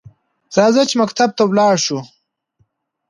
راځه چې مکتب ته لاړشوو؟